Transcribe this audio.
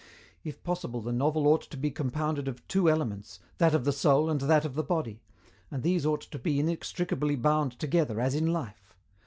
If possible the novel ought to be compounded of two elements, that of the soul and that of the body, and these ought to be inextricably bound together as in life.